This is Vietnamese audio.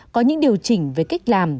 có những điều chỉnh về cách làm